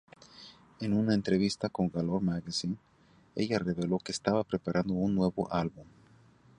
En una entrevista con Galore Magazine, ella reveló que estaba preparando un nuevo álbum.